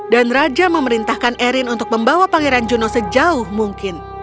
dan raja memerintahkan arryn untuk membawa pangeran juno sejauh mungkin